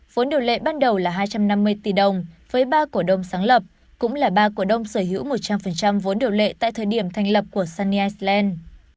vốn điều lệ ban đầu là hai trăm năm mươi tỷ đồng với ba cổ đông sáng lập cũng là ba cổ đông sở hữu một trăm linh vốn điều lệ tại thời điểm thành lập của sunny slad